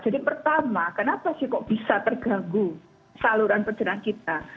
jadi pertama kenapa sih kok bisa terganggu saluran percernaan kita